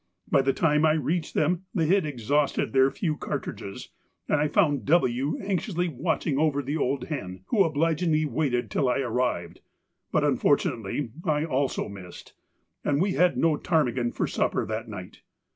By the time I reached them they had exhausted their few cartridges, and I found W. anxiously watching over the old hen, who obligingly waited till I arrived, but unfortunately I also missed, and we had no ptarmigan for supper that night.